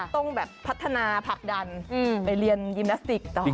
ต้องแบบพัฒนาผลักดันไปเรียนยิมนาสติกต่อ